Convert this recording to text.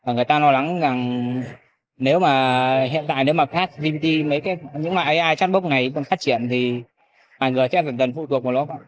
người ta lo lắng rằng nếu mà hiện tại nếu mà chartsgpt những cái ai chartsbot này đang phát triển thì mọi người chắc chắn dần dần phụ thuộc một lúc